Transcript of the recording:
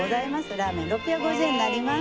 ラーメン６５０円になります。